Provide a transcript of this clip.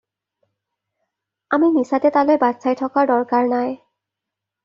আমি মিছাতে তালৈ বাট চাই থকাৰ দৰকাৰ নাই।